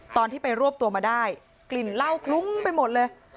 ตอนที่ไปรวบตัวมาได้กลิ่นเหล้าคลุ้งไปหมดเลย